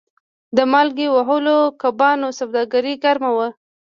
د مالګې وهلو کبانو سوداګري ګرمه وه.